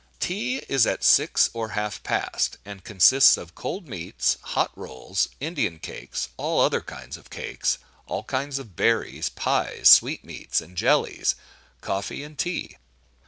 "Tea" is at six or half past, and consists of cold meats, hot rolls, Indian cakes, all other kinds of cakes, all kinds of berries, pies, sweetmeats, and jellies, coffee and tea.